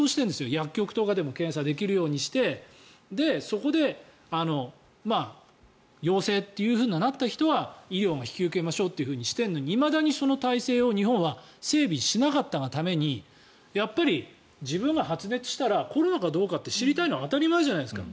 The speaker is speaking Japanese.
薬局とかでも検査できるようにしてそこで陽性というふうになった人は医療が引き受けましょうとしているのにいまだにその体制を日本は整備しなかったがためにやっぱり自分が発熱したらコロナか知りたいのは当たり前じゃないですか。